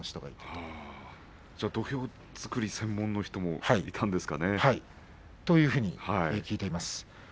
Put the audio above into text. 土俵作り専門の人もいたんですかね。というふうに聞いています。